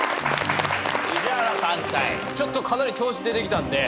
ちょっとかなり調子出てきたんで。